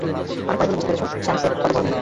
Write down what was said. অনেক পড়ে হলেও বুঝতে পেরেছো, স্যাম সে কত বড় বেঈমান।